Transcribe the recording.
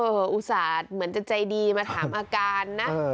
โอ้โฮอุศาสตร์เหมือนจะใจดีมาถามอาการนะ